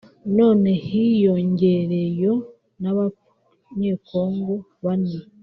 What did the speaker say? none hiyongereyo n’Abanyekongo bane